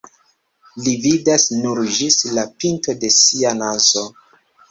Li vidas nur ĝis la pinto de sia nazo.